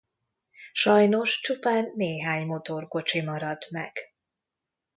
Sajnos csupán néhány motorkocsi maradt meg.